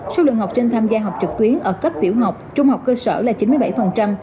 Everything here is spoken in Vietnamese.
số lượng học sinh tham gia học trực tuyến ở cấp tiểu học trung học cơ sở là chín mươi bảy